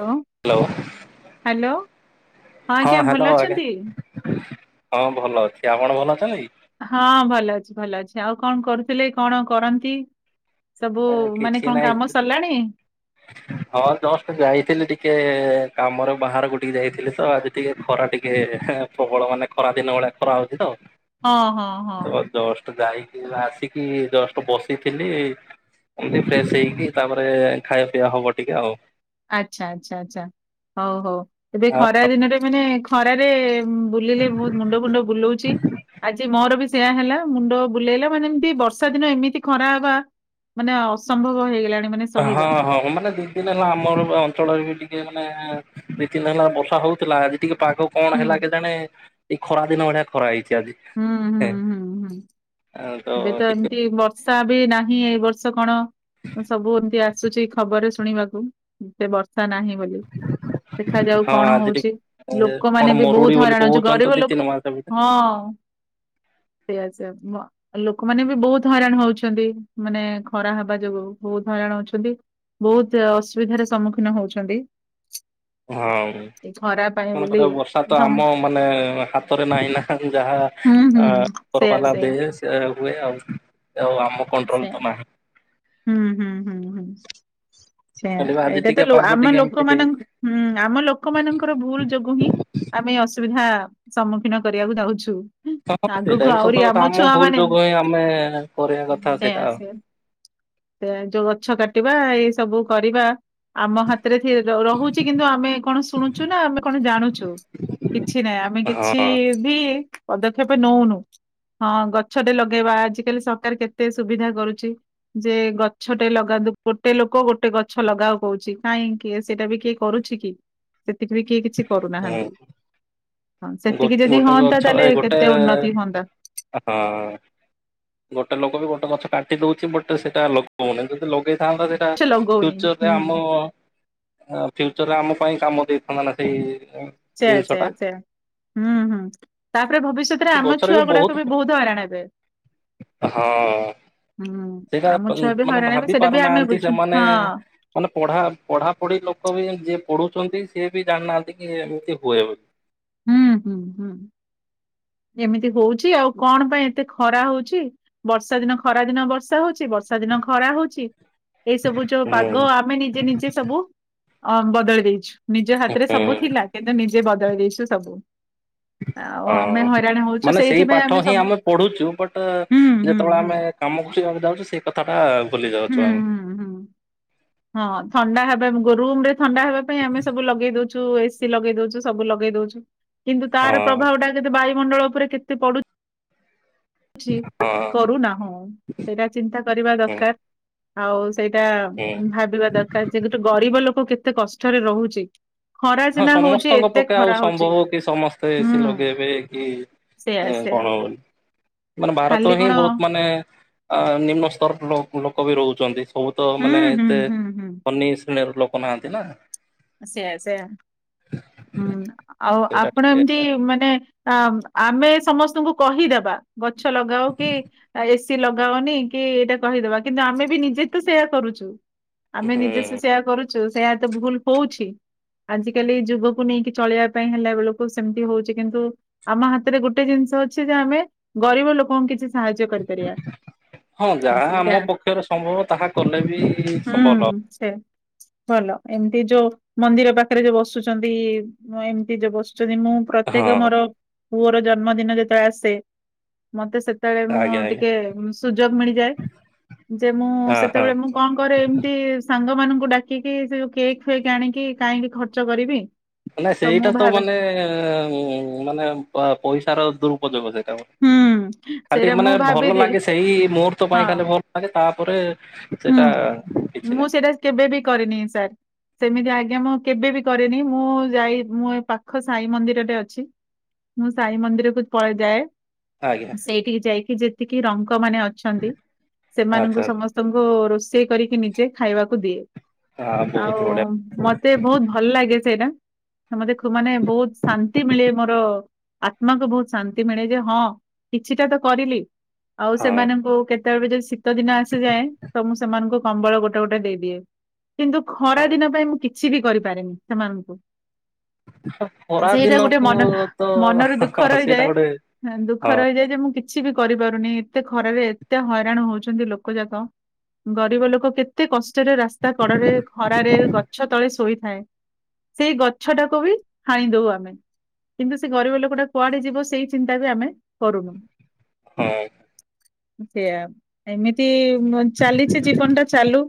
ଲୋ hello hello ହଁ ଆଜ୍ଞା hello ଭଲ ଆଜ୍ଞା ଅଛନ୍ତି? ହଁ ଭଲ ଅଛି। ଆପଣ ଭଲ ଅଛନ୍ତି? ହଁ ଭଲ ଅଛି ଭଲ ଅଛି ଆଉ କଣ କରୁଥିଲେ କଣ କରନ୍ତି? ସବୁ ମାନେ କିଛି କଣ ନାହିଁ କାମ ସରିଲାଣି? ହଁ ଜଷ୍ଟ ଯାଇଥିଲି ଟିକେ କାମରେ ବାହାରକୁ ଟିକେ ଯାଇଥିଲି ତ ଆଜି ଟିକେ ଖରା ଟିକେ ପ୍ରବଳ ମାନେ ଖରା ଦିନ ଭଳିଆ ଖରା ହଉଚି ତ। ହଁ ହଁ ହଁ। ତ ଜଷ୍ଟ ଯାଇକି ଏବେ ଆସିକି ଜଷ୍ଟ ବସିଥିଲି ଏମତି ଫ୍ରେଶ ହେଇକି ତାପରେ ଖାଇବା ପିଇବା ହବ ଟିକେ ଆଉ। ଆଚ୍ଛା ଆଚ୍ଛା ଆଚ୍ଛା ହଉ ହଉ ଏବେ ଖରା ଦିନଟେ ମାନେ ଖରାରେ ବୁଲିଲେ ବହୁତ ମୁଣ୍ଡ ଫୁଣ୍ଡ ବୁଲଉଛି ଆଜି ମୋର ବି ସେୟା ହେଲା ମୁଣ୍ଡ ବୁଲେଇଲା ମାନେ ଏମତି ବର୍ଷା ଦିନ ଏମିତି ଖରା ହବା ମାନେ ଅସମ୍ଭବ ହେଇଗଲାଣି ମାନେ ହଁ ସହିବା ହଁ ମାନେ ଦି ଦି ଦିନ ହେଲା ଆମର ଅଞ୍ଚଳରେ ବି ଟିକେ ମାନେ ଦିଇ ଦିନ ହେଲା ବର୍ଷା ହଉଥିଲା ଆଜି ଟିକେ ପାଗ କଣ ହୁଁ ହେଲା କେଜାଣି ଏଇ ଖରା ଦିନ ଭଳିଆ ଖରା ହେଇଛି ଆଜି। ହୁଁ ହୁଁ ହୁଁ ହୁଁ। ଆଉ ଟିକେ ସ୍ ବି ନାହିଁ ଏଇ ବର୍ଷ କଣ ସବୁ ଏମତି ଆସୁଛି ଖବରରେ ଶୁଣିବାକୁ ଏ ସେ ବର୍ଷା ନାହିଁ ବୋଲି ଦେଖାଯାଉ ହଁ କଣ ଆଜି ହଉଛି ଟିକେ କଣ ଲୋକମାନେ ବି ମରୁଡି ବହୁତ ବୋଲି ହଇରାଣ ହଛି କହୁଛନ୍ତି ତ ଗରିବ ଦି ଲୋକ ତିନି ମାସ ଭିତରେ ହଁ। ସେଇଆସ ଲୋକମାନେ ବି ବହୁତ ହଇରାଣ ହଉଛନ୍ତି ମାନେ ଖରା ହବା ଯୋଗୁ ବହୁତ ହଇରାଣ ହଉଛନ୍ତି। ବହୁତ ଅସୁବିଧାର ସମ୍ମୁଖୀନ ହଉଛନ୍ତି। ହଁ ଏଇ ଖରା ପାଇଁ କଣ ବୋଲି କରିବା ବର୍ଷା ତ ସମ- ଆମ ମାନେ ହାତରେ ନାହିଁ ନା ଯାହା ହୁଁ ହୁଁ ଅ ସେଇଆ କରବାଲା ସେଇଆ ଦ ସେ ହୁଏ ଆଉ ଆଉ ଆମ କଣ୍ଟ୍ରୋଲ ସେଇଆ ତ ନାହିଁ। ହୁଁ ହୁଁ ହୁଁ ହୁଁ ସେ ହେଲେ ଆଜି ଏଇଟା ଟିକେ ତ ପାଗ ଆମ ଟିକେ ଏମିତି ହେଇ ଲୋକମାନଙ୍କ ହୁଁ ଆମ ଲୋକମାନଙ୍କର ଭୁଲ ଯୋଗୁ ହିଁ। ଆମେ ଅସୁବିଧା ସମ୍ମୁଖୀନ କରିବାକୁ ଯାଉଛୁ। ହଁ ଆଗକୁ ସେଇଟା ବି ଆହୁରି ସତ କଥା ଆମ ଛୁଆ ଭୁଲ ମାନେ ଯୋଗୁଁ ହିଁ ଆମେ କରିବା କଥା ସେୟା ସେଇଟା ଆଉ ସେୟା ଯୋଉ ଗଛ କାଟିବା ଏଇ ସବୁ କରିବା। ଆମ ହାତରେ ରହୁଛି କିନ୍ତୁ ଆମେ କଣ ଶୁଣୁଛୁ ନା ଆମେ କଣ ଜାଣୁଛୁ? କିଛି ନାହିଁ ଆମେ କିଛି ହଁ ବି ପଦକ୍ଷେପ ନଉନୁ। ହଁ ଗଛଟେ ଲଗେଇବା ଆଜି କାଲି ସରକାର କେତେ ସୁବିଧା କରୁଛି। ଯେ ଗଛଟେ ଲଗାନ୍ତୁ ଗୋଟେ ଲୋକ ଗୋଟେ ଗଛ ଲଗା କହୁଛି କାହିଁକି ସେଇଟା ବି କିଏ କରୁଛି କି ସେତିକି ବି କିଏ କିଛି ହୁଁ କରୁନାହାନ୍ତି। ହଁ ସେତିକି ଯଦି ଗୋଟେ ହୁଅନ୍ତା ଗଛ ଏ ତାହେଲେ ଗୋଟେ କେତେ ଉନ୍ନତି ହୁଅନ୍ତା। ହଁ। ଗୋଟେ ଲୋକ ବି ଗୋଟେ ଗଛ କାଟି ଦଉଛି ବଟେ ସେଟା ଲଗଉନି ଯଦି ଲଗେଇଥାନ୍ତା ସେ ନା ଗଛ ଲଗଉନି ହୁଁ ଫ୍ୟୁଚରରେ ଆମ ଫ୍ୟୁଚରରେ ଆମ ପାଇଁ କାମ ଦେଇଥାନ୍ତା ନା ସେଇ ସେୟା ଜିନିଷ ଟା ସେୟା ସେୟା। ହୁଁ ହୁଁ ତାପରେ ଭବିଷ୍ୟତରେ ଆମ ଛୁଆ ଗୁଡାକ ବି ବହୁତ ହଇରାଣ ହେବେ। ହଁ ହୁଁ ଆମ ସେଇଟା ଛୁଆ ବି ମାନେ ହଇରାଣ ହେବେ ଭାବି ସେଇଟା ବି ଆମେ ପାରୁନାହାନ୍ତି ବୁଝୁନୁ ସେମାନେ ହଁ ମାନେ ପଢ଼ା ପଢ଼ାପଢ଼ି ଲୋକ ବି ଯିଏ ପଢ଼ୁଛନ୍ତି ସିଏ ବି ଜାଣିନାହାନ୍ତି କି ଏମିତି ହୁଏ ବୋଲି। ହୁଁ ହୁଁ ହୁଁ ଏମିତି ହଉଛି ଆଉ କଣ ପାଇଁ ଏତେ ଖରା ହଉଛି। ବର୍ଷା ଦିନ ଖରା ଦିନ ବର୍ଷା ହଉଛି ବର୍ଷା ଦିନ ଖରା ହଉଛି। ଏଇ ସବୁ ଯୋଉ ହୁଁ ପାଗ ଆମେ ନିଜେ ନିଜେ ସବୁ ଅ ବଦଳି ଦେଇଛୁ। ନିଜ ହାତରେ ହୁଁ ସବୁ ଥିଲା କିନ୍ତୁ ନିଜେ ବଦଳି ଦେଇଛୁ ସବୁ। ଆଉ ଆମେ ହଁ ହଇରାଣ ହଉଛୁ ମାନେ ସେଇ ସେଇଥିପାଇଁ ପାଠ ହିଁ ସବୁ ଆମେ ପଢୁଛୁ ବଟ ହୁଁ ହୁଁ ଯେତେବେଳେ ହୁଁ ଆମେ କାମ କରିବାକୁ ଯାଉଛୁ ସେଇ କଥା ଟା ଭୁଲି ହୁଁ ଯାଉଛୁ ଆ ହୁଁ ହୁଁ ହଁ ଥଣ୍ଡା ହବା ରୁମରେ ଥଣ୍ଡା ହେବା ପାଇଁ ଆମେ ସବୁ ଲଗେଇ ଦଉଛୁ ଏସି ଲଗେଇ ଦଉଛୁ ସବୁ ଲଗେଇ ଦଉଛୁ କିନ୍ତୁ ତାର ହଁ ପ୍ରଭାବ ଟା କେତେ ବାୟୁମଣ୍ଡଳ ଉପରେ କେତେ ପଡୁ ଛି ହଁ କରୁନାହୁ। ସେଇଟା ଚିନ୍ତା କରିବା ହୁଁ ଦରକାର ଆଉ ସେଇଟା ହୁଁ ଭାବିବା ଦରକାର। ଯେ କି ଗରିବ ଲୋକ କେତେ କଷ୍ଟରେ ରହୁଛି ଖରା ହଁ ସିନା ହଉଛି ସମସ୍ତଙ୍କ ଏତେ ପକ୍ଷେ ଆଉ ଖରା ହଉଛି। ସମ୍ଭବ ସମସ୍ତେ ହୁଁ ଏସି ଲଗେଇବେ କି ସେୟା ସେୟା କଣ ହବନି? ମାନେ ଖାଲି ଭାରତର ହିଁ କଣ ବହୁତ ମାନେ ଆ ନିମ୍ନ ସ୍ତରରେ ଲୋକ ବି ରହୁଛନ୍ତି ସବୁ ତ ହୁଁ ମାନେ ହୁଁ ଏତେ ହୁଁ ହୁଁ ବନି ଶ୍ରେଣୀର ଲୋକ ନାହାନ୍ତି ନା। ସେୟା ସେୟା ହୁଁ ଆଉ ସେଇଟା ଆପଣ ଟିକେ ଏମିତି ମାନେ ଆ ଆମେ ସମସ୍ତଙ୍କୁ କହିଦେବା ଗଛ ଲଗାଅ କି ଏସ୍ କି ଲଗାଅନି କି ଏଇଟା କହିଦବା କିନ୍ତୁ ଆମେ ବି ନିଜେ ତ ସେୟା କରୁଚୁ। ଆମେ ନିଜେ ସେ ହୁଁ। ସେୟା କରୁଚୁ ସେୟା ଏ ତ ଭୁଲ କୋଉଠି? ଆଜିକାଲି ଯୁବକୁ ନେଇକି ଚଳେଇବା ପାଇଁ ହେଲା ବେଳକୁ ସେମିତି ହଉଚି କିନ୍ତୁ ଆମ ହାତରେ ଗୋଟେ ଜିନିଷ ଅଛି ଯେ ଆମେ ଗରିବ ଲୋକଙ୍କୁ କିଛି ସାହାଯ୍ୟ କରିପାରିବା। ହଁ ଯାହା ସେଇଟା ଆମ ପକ୍ଷରେ ସମ୍ଭବ ତାହା କଲେ ବି ସମ୍ଭବ। ସେୟା। ଭଲ ଏମିତି ଯୋଉ ମନ୍ଦିର ପାଖରେ ଯୋଉ ବସୁଚନ୍ତି ଏମିତି ଯୋଉ ବସୁଚନ୍ତି ମୁଁ ପ୍ରତ୍ୟେକ ହଁ। ମୋର ପୁଅର ଜନ୍ମଦିନ ଯେତେବେଳେ ଆସେ ମୋତେ ସେତେବେଳେ ମୁଁ ଆଜ୍ଞା ଆଜ୍ଞା ଟିକେ ସୁଯୋଗ ମିଳିଯାଏ। ଯେ ମୁଁ ହଁ ହଁ। ସେତେବେଳେ ମୁଁ କଣ କରେ ଏମିତି ସାଙ୍ଗ ମାନଙ୍କୁ ଡାକିକି ସେଯୋଉ କେକ୍ ଫେକ୍ ଆଣିକି କାହିଁକି ଖର୍ଚ୍ଚ କରିବି। ନା ମୁଁ ସେଇଟା ତ ଭାବେ ମାନେ ଉ ମାନେ ପଇସାର ଦୁରୁପଯୋଗ ସେଇଟା ହବ। ହୁଁ ଖାଲି ସେଇଟା ମାନେ ମୁଁ ଭଲ ଭାବିଦିଏ ଲାଗେ ସେଇ ମୁହୂର୍ତ୍ତ ହଁ ପାଇଁ ଖାଲି ଭଲ ମାନେ ତାପରେ ହୁଁ ସେଟା କିଛି ମୁଁ ନାହିଁ। ସେଇଟା କେବେ ବି କରିନି ସାର୍। ସେମିତି ଆଜ୍ଞା ମୁଁ କେବେବି କରେନି ମୁଁ ଯାଇ ମୁଁ ପାଖ ସାଇ ମନ୍ଦିରରେ ଅଛି। ମୁଁ ସାଇ ମନ୍ଦିରକୁ ପଳେ ଯାଏ। ଆଜ୍ଞା। ସେଇଠିକି ଯାଇକି ଯେତିକି ରଙ୍ଗ ମାନେ ଅଛନ୍ତି ସେମାନଙ୍କୁ ଆଚ୍ଛା ସମସ୍ତ ଙ୍କୁ ରୋଷେଇ କରିକି ନିଜେ ଖାଇବାକୁ ଦିଏ ଆଉ ବହୁତ ବଢିଆ ମ ମତେ ବହୁତ ଭଲ ଲାଗେ ସେଇଟା ମୋତେ ମାନେ ବହୁତ ଶାନ୍ତି ମିଳେ ମୋର ଆତ୍ମାକୁ ବହୁତ ଶାନ୍ତି ମିଳେ ଯେ ହଁ କିଛିଟା ତ କରିଲି। ଆଉ ହଁ। ସେମାନଙ୍କୁ କେତେବେଳେ ଯଦି ଶୀତ ଦିନ ଆସ ଯାଏ ତ ମୁଁ ସେମାନଙ୍କୁ କମ୍ବଳ ଗୋଟେ ଗୋଟେ ଦେଇଦିଏ କିନ୍ତୁ ଖରା ଦିନ ପାଇଁ ମୁଁ କି କିଛି ବି କରିପାରେନି ସେମାନଙ୍କୁ। ଖରା ସେଇଟା ଗୋଟେ ଦିନକୁ ମନର ତ ମନରେ ଦୁଃଖ ସେଇଟା ରହିଯାଏ‌। ଗୋଟେ ହଁ ଦୁଃଖ ହଁ ରହିଯାଏ ଯେ ମୁଁ କିଛି ବି କରିପାରୁନି ଏତେ ଖରାରେ ଏତେ ହଇରାଣ ହଉଚନ୍ତି ଲୋକ ଲୋକ ଯାକ ଗରିବ ଲୋକ କେତେ କଷ୍ଟରେ ରାସ୍ତା କଡରେ ଖରାରେ ଗ ଗଛ ତଳେ ଶୋଇଥାଏ ସେଇ ଗଛ ଟାକୁ ବି ହାଣି ଦଉ ଆମେ। କିନ୍ତୁ ସେ ଗରିବ ଲୋକଟା କୁଆଡେ ଯିବ ସେଇ ଚିନ୍ତା ବି ଆମେ କରୁନୁ। [unintelligible] ସେଆ ଏମିତି ଚାଲିଚି ଜୀବନ ଟା ଚାଲୁ।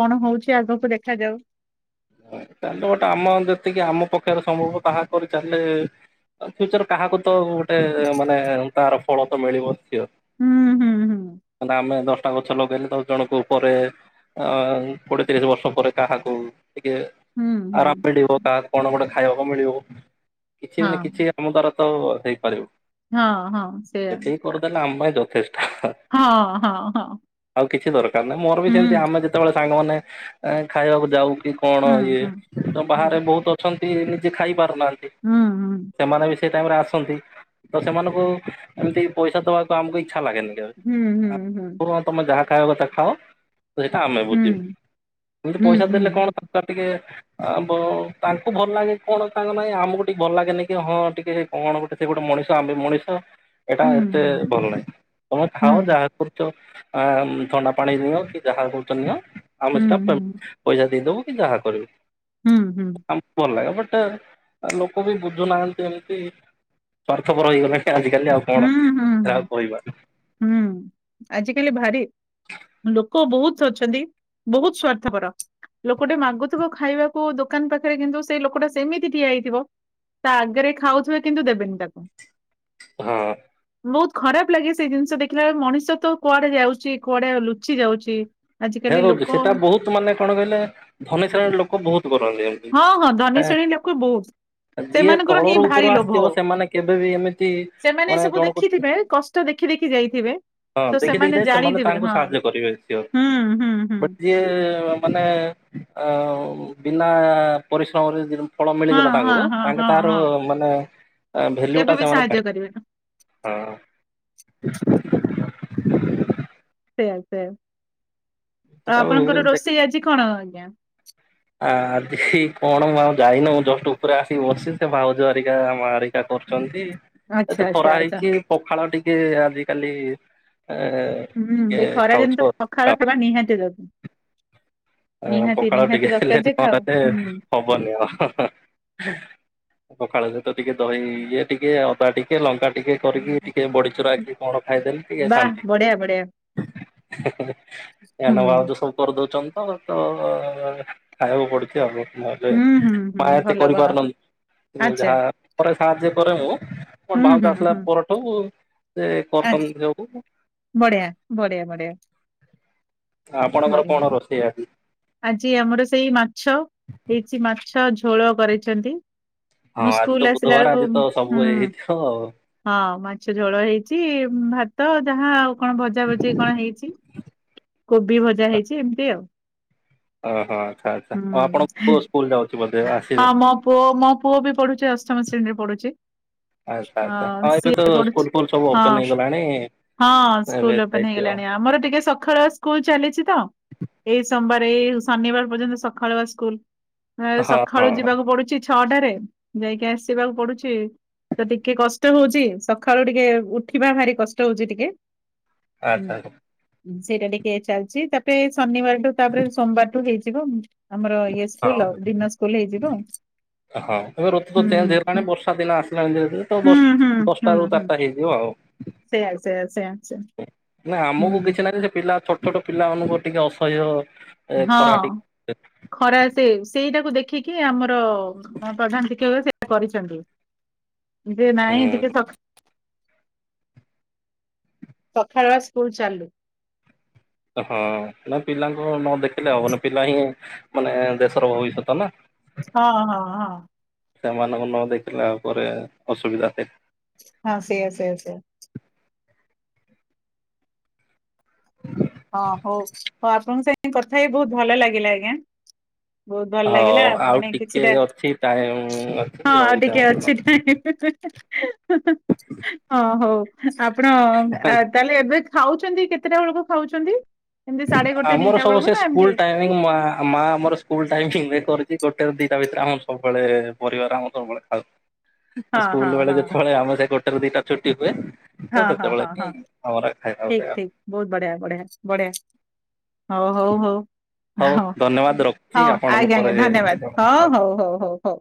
କଣ ହଉଚି ଆଗକୁ ଦେଖାଯାଉ। [unintelligible] ଗୋଟେ ଆମ ଯେତିକି ଆମ ପଖରେ ସମ୍ଭବ ତାହା କରି ଚାଲିଲେ ଫ୍ୟୁଚର କାହାକୁ ତ ଗୋଟେ ମାନେ ତାର ଫଳ ତ ମିଳିବ। ସିଓର୍ ହୁଁ ହୁଁ ହୁଁ [unintelligible] ଆମେ ଦଶଟା କରୁ ଗଛ ଲଗେଇଲେ ତାକୁ ଜଣଙ୍କ ଉପରେ ଅ କୋଡିଏ ତିରିଶ ବର୍ଷ ପରେ କାହାକୁ ଟିକେ ହୁଁ ହୁଁ ଆରାମ ମିଳିବ କାହାକୁ କଣ ଗୋଟେ ଖାଇବାକୁ ମିଳିବ କିଛି ନା ହଁ। କିଛି ଆମ ଦ୍ଵାରା ତ ହେଇପାରିବ ହଁ ହଁ ସେଇଆ ଏତିକି କରିଦେଲେ ଆମ ପାଇଁ ଯଥେଷ୍ଟ। ହଁ ହଁ ହଁ। ଆଉ କିଛି ଦରକାର ନାହିଁ ମୋର ବି ହୁଁ ସେମତି ଆମେ ଯେତେବେଳେ ସାଙ୍ଗମାନେ ଖାଇବାକୁ ଯାଉ କି କଣ ହୁଁ ଇଏ ହୁଁ ତ ହୁଁ ବାହାରେ ବହୁତ ଅଛନ୍ତି ନିଜେ ଖାଇ ପାରୁନାହାନ୍ତି। ହୁଁ, ହୁଁ। ସେମାନେ ବି ସେଇ ଟାଇମରେ ଆସନ୍ତି, ତ ସେମାନଙ୍କୁ ଏମିତି ପଇସା ଦବାକୁ ଆମକୁ ଇଚ୍ଛା ଲାଗେନି। ହୁଁ ହୁଁ ପୁଅ ତମେ ଯାହା ଖାଇବା କଥା ଖାଅ? ସେଇଟା ଆମେ ହୁଁ ବୁଝିବୁ, ଏମିତି ହୁଁ ପଇସା ହୁଁ ହୁଁ ଦେଲେ କଣ [unintelligible] ଟିକେ ଆ ବ ତାଙ୍କୁ ଭଲ ଲାଗେ କଣ ତାଙ୍କ ନାଇଁ ଆମକୁ ଟିକେ ଭଲ ଲାଗେନ କି ହଁ ଟିକେ କଣ ଗୋଟେ ସେ ଗୋଟେ ମଣିଷ ଆମେ ମଣିଷ ଏଟା ହୁଁ ଏତେ ଭଲ ନାହିଁ? ତମେ ହୁଁ ହୁଁ ଖାଅ ଯାହା କରୁଛ ଆ ଥଣ୍ଡା ପାଣି ନିଅ କି ଯାହା କହୁଚ ନିଅ। ଆମେ ହୁଁ ସେଟା ପେମ୍ ପଇସା ଦେଇଦେବୁ କି ଯାହା କରିବୁ। ହୁଁ, ହୁଁ। ଆମକୁ ଭଲ ଲାଗେ, ବଟ୍ ଆ ଲୋକ ବି ବୁଝୁନାହାନ୍ତି ଏମତି। ସ୍ୱାର୍ଥପର ହେଇଗଲେଣି ଆଜିକାଲି ଆଉ କଣ ହୁଁ ହୁଁ କାହାକୁ କହିବା? ହୁଁ, ଆଜିକାଲି ଭାରି ଲୋକ ବହୁତ ଅଛନ୍ତି, ବହୁତ ସ୍ଵାର୍ଥପର, ଲୋକଟେ ମାଗୁଥିବ ଖାଇବା- କୁ ଦୋକାନ ପାଖରେ କିନ୍ତୁ ସେଇ ଲୋକଟା ସେମିତି ଠିଆ ହେଇଥିବ। ତା ଆଗରେ ଖାଉଥିବେ କିନ୍ତୁ ଦେବେନି ତାକୁ। ହୁଁ ବହୁତ ଖରାପ ଲାଗେ ସେଇ ଜିନିଷ ଦେଖିଲା ବେଳୁ ମଣିଷ ତ କୁଆଡେ ଯାଉଛି କୁଆଡେ ଲୁଚି ଯାଉଛି? ହେୟା ଆଜିକାଲି କହୁଛି ଲୋକ ସେଟା ବହୁତ ମାନେ କଣ କହିଲେ ଧନୀଶ୍ରେଣୀ ଲୋକ ବହୁତ କରନ୍ତି। ହଁ ହଁ ଏ ଧନୀଶ୍ରେଣୀ ଲୋକ ବହୁତ। ଯିଏ ସେମାନଙ୍କର ହିଁ ତଳରୁ ଉପରୁ ଭାରି ଲୋଭ, ଆସିଥିବ ସେମାନେ କେବେ ବି ଏମିତି ସେମାନେ ଏ ମାନେ ସବୁ ଜଣକୁ ଦେଖିଥିବେ କଷ୍ ଷ୍ଟ ଦେଖି ଦେଖି ଯାଇଥିବେ, ହଁ ତ ଦେଖି ଦେଖି ସେମାନେ ଯାଇ ଜାଣିଥିବେ ତାଙ୍କୁ ହଁ, ସାହାଯ୍ୟ କରିବେ ସିଓର ହୁଁ, ହୁଁ ହୁଁ। ବଟ ଯିଏ ମାନେ ଅ ବିନା ପରିଶ୍ରମରେ [unintelligible] ଫଳ ହଁ ମିଳିଗଲା ତାଙ୍କୁ ହଁ ହଁ ତାଙ୍କେ ହଁ ତାହାର ହଁ ମାନେ ଆ କେବେ ଭେଲ୍ୟୁଟା ବି ସେମାନେ ସାହାଯ୍ୟ କାଢ଼ି କରିବେ ହଁ ସେଇଆ ସେୟା, ଆଉ ସେଟା ଆପଣଙ୍କର ରୋଷେଇ ଆଜି କଣ ଆଜ୍ଞା? ଆ ଆଜି କଣ ମୁଁ ଆଉ ଯାଇନଉ ଜଷ୍ଟ ଉପରେ ଆସିକି ବସିଚି ସେ ଭାଉଜ ହେରିକା ମାରି ଚା କରୁଛନ୍ତି। ଆଚ୍ଛା ଏତ ଆଚ୍ଛା ଖରା ଆଚ୍ଛା ହେଇଛି ପଖାଳ ଟିକେ ଆଜିକାଲି ଏ ହୁଁ ଟିକେ ଏ ଖରାଦିନ ଖାଉଛୁ ତ ଆଉ। ପଖାଳ ଖାଇବା ନିହାତି ଦ ଏଁ ପଖାଳ ଟିକେ [unintelligible] ନହେଲେ ହୁଁ ହବନି ଆଉ। ପଖାଳ ସହିତ ଟିକେ ଦହି ଇଏ ଟିକେ ଅଦା ଟିକେ ଲଙ୍କା ଟିକେ କରିକି ଟିକେ ବଡ଼ି ଚୁରା କି କଣ ଖାଇଦେଲେ ଟିକେ ବାଃ ଶାନ୍ତି। ବଢିଆ ବଢିଆ [unintelligible] ହୁଁ କରିଦଉଛନ୍ତି ତ, ତ ଖାଇବାକୁ ପଡୁଛି ଆଗ। ନହେଲେ ହୁଁ ହୁଁ ହୁଁ ମା ଏତେ ଭଲ ଭଲ କରିପାରୁନାହାନ୍ତି, ଆଚ୍ଛା ଯାହା ପରେ ସାହାଯ୍ୟ କରେ ମୁଁ, କଣ ହୁଁ ଭାଉଜ ହୁଁ ଆସିଲା ହୁଁ ପରଠୁ ସେ କଟନ୍ତି ସବୁ। ବଢ଼ଆ, ବଢ଼ିଆ ବଢ଼ିଆ। ଆପଣଙ୍କର କଣ ରୋଷେଇ ଆଜି? ଆଜି ଆମର ସେଇ ମାଛ, ହେଇଛି ମାଛ ଝୋଳ କରିଛନ୍ତି। ହଁ ମୁ ଆଜି ତ ସ୍କୁଲ୍ ଆସିଲା ବୁଧବାର ବେଳକୁ ଆଜି ତ ସବୁ ହୁଁ। ହେଇଥିବ ଆଉ ହଁ ମାଛ ଝୋଳ ହେଇଛି, ଭାତ ଯାହା ଆଉ। କଣ ଭଜା ଭଜି କଣ ହେଇଛି, କୋବି ଭଜା ହେଇଛି ଏମିତି ଆଉ। ଓହୋ ଆଚ୍ଛା ଆଚ୍ଛା ଆଚ୍ଛା, ଆଉ ଆପଣ ହୁଁ କୋଉ ସ୍କୁଲ ଯାଉ ହଁ ମୋ ପୁଅ ମୋ ପୁଅ ବି ପଢୁଛି ଅଷ୍ଟମ ଶ୍ରେଣୀରେ ପଢୁଛି। ଆଚ୍ଛା ଅ ଆଚ୍ଛା, ହଁ ଏବେ ତ ସିଏ ପଢୁଛି। ସ୍କୁଲ୍ ଫୁଲ୍ ସବୁ ହଁ ଓପେନ ହେଇଗଲାଣି। ହଁ ଏବେ ସ୍କୁଲ ଓପେନ ଯାଇଥିବ। ହେଇଗଲାଣି ଆମର ଟିକେ ସଖାଳ ସ୍କୁଲ ଚାଲିଛି ତ ଏଇ ସୋମବାର ଏଇ ଶନିବାର ପର୍ଯ୍ୟନ୍ତ ସକାଳ ବା ସ୍କୁଲ ହଁ ସକାଳୁ ହଁ ଯିବାକୁ ପଡୁଛି ଛଅଟାରେ ଯାଇକି ଆସିବାକୁ ପଡୁଛି ତ ଟିକେ କଷ୍ଟ ହଉଚି ସକାଳୁ ଟିକେ ଉଠିବା ଭାରି କଷ୍ଟ ହଉଚି ଟିକେ ହୁଁ ଆଚ୍ଛା ଆଚ୍ଛା ସେଇଟା ଟିକେ ଚାଲିଛି ତାପରେ ଶନିବାରଠୁ ତାପରେ ସୋମବାରଠୁ ହେଇଯିବ ଆମର ଇଏ ସ୍କୁଲ ହଁ ଆଉ ଦିନ ସ୍କୁଲ ହେଇଯିବ ହଁ ଏବେ ଋତୁ ହୁଁ ତ ଚେଞ୍ଜ ହେଲାଣି ବର୍ଷା ଦିନ ଆସିଲାଣି ଧୀରେ ଧୀରେ ତ ହୁଁ ଦଶ ହୁଁ ଦଶଟା ରୁ ଚାରିଟା ହେଇଯିବ ଆଉ ସେଇଆ ସେଇଆ ସେଇଆ ନା ଆମକୁ କିଛି ନାହିଁ ସେ ପିଲା ଛୋଟ ଛୋଟ ପିଲାମାନାନଙ୍କୁ ଟିକେ ଅସହ୍ୟ ଏ ଖରା ହଁ ଟିକେ ଖରା ସେ ସେଇଟାକୁ ଦେଖିକି ଆମର ହଁ ପ୍ରଧାନ ଶିକ୍ଷକ ସେ କରିଛନ୍ତି ଯେ ନାଇଁ ଟିକେ ହୁଁ ଥ ସକାଳୁଆ ସ୍କୁଲ ଚାଲୁ ହଁ ନା ପିଲାଙ୍କୁ ନ ଦେଖିଲେ ହବନି ପିଲା ହିଁ ମାନେ ଦେଶର ଭବିଷ୍ୟତ ନା ହଁ ହଁ ହଁ ସେମାନଙ୍କୁ ନ ଦେଖିଲା ପରେ ଅସୁବିଧା ହଁ ସେଇୟା ସେଇଆ ସେଇଆ ହଁ ହଉ ହଉ ଆପଣଙ୍କ ସାଙ୍ଗେ କଥା ହେଇକି ବହୁତ ଭଲ ଲାଗିଲା ଆଜ୍ଞା ବହୁତ ଭଲ ଲାଗିଲା ହଉ ଆଉ ମାନେ ଟିକେ କିଛିଟା ଅଛି ଟାଇମ ଅଛି ହଁ ଆଉ ଟିକେ ରହିଥାନ୍ତୁ ଅଛି ନା ହଁ ହଉ ଆପଣ ଆ ତାହେଲେ ଏବେ ଖାଉଛନ୍ତି କେତେଟା ବେଳକୁ ଖାଉଛନ୍ତି ଏମିତି ସାଢେ ଗୋଟେ ଦିଟା ବେଳକୁ ନା ଏମିତି ନାଇଁ ମା ମା ଆମର ସ୍କୁଲ ଟାଇମ କରିଛି ଗୋଟେରେ ଦିଟା ଭିତରେ ଆମ ସବୁବେଳେ ପରିବାର ଆମ ସବୁବେଳେ ହଁ ଆଉ ହଁ ସ୍କୁଲ ବେଳେ ହଁ ଯେତେବେଳେ ଆମ ସେ ଗୋଟେରେ ଦିଟା ଛୁଟି ହୁଏ ତ ହଁ ହଁ ସେତେବେଳେ ହଁ କି ହଁ ଆମର ଖାଇବା ଠିକ [unintelligible] ଠିକ ବହୁତ ବଢିଆ ବଢିଆ ବଢିଆ ହଉ ହଉ ହଉ ହଉ ହଁ ଧନ୍ୟବାଦ ରଖୁଛି ହଉ ଆପଣଙ୍କୁ ଆଜ୍ଞା ପରେ ଆଜ୍ଞା କେତେବେଳେ ଧନ୍ୟବାଦ କଥା ହଉ ହବା। ହଉ ହଉ ହଉ ହଉ